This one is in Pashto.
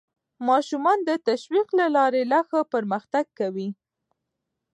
ماشومان د تشویق له لارې لا ښه پرمختګ کوي